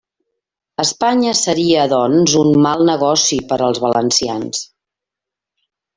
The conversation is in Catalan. Espanya seria, doncs, un «mal negoci» per als valencians.